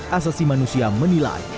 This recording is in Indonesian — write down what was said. dan komunisasi manusia menilai